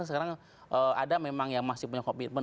sekarang ada memang yang masih punya komitmen